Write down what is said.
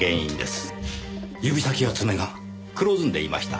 指先の爪が黒ずんでいました。